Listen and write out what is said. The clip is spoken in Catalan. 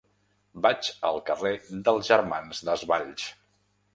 Vaig al carrer dels Germans Desvalls.